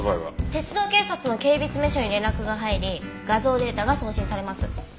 鉄道警察の警備詰所に連絡が入り画像データが送信されます。